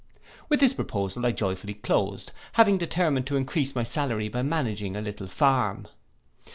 With this proposal I joyfully closed, having determined to encrease my salary by managing a little farm.